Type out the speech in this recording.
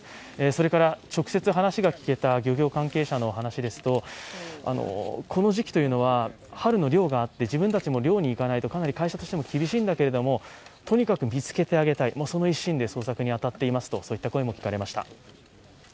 それから、直接、話が聞けた漁業関係者の話ですとこの時期というのは春の漁があって自分たちも漁に行かないとかなり会社としても厳しいんだけれども、とにかく見つけてあげたい、その一心で捜索に当たっていますという声も聞かれました。